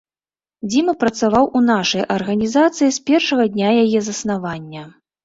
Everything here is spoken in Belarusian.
Дзіма працаваў у нашай арганізацыі з першага дня яе заснавання.